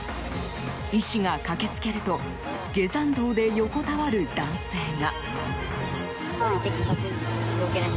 医師が駆けつけると下山道で横たわる男性が。